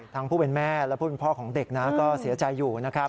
ผู้เป็นแม่และผู้เป็นพ่อของเด็กนะก็เสียใจอยู่นะครับ